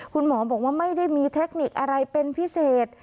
คุณหมอบอกว่าไม่ได้มีเทคนิคอะไรเป็นพิเศษ